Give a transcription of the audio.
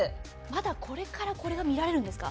まだこれからこれが見られるんですか？